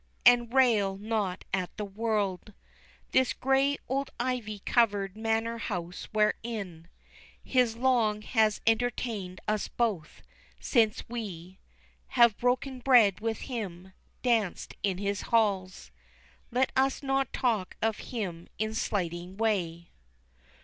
And rail not at the world, This grey old ivy covered manor house wherein He long has entertained us both. Since we Have broken bread with him, danced in his halls, Let us not talk of him in slighting way.